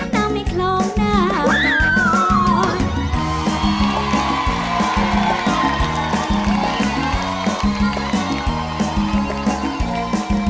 น้ำมีโครงน้ำหน่อย